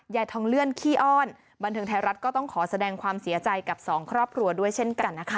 ยายทองเลื่อนขี้อ้อนบันเทิงไทยรัฐก็ต้องขอแสดงความเสียใจกับสองครอบครัวด้วยเช่นกันนะคะ